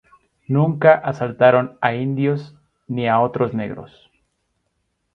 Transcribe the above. Nunca asaltaron a indios ni a otros negros.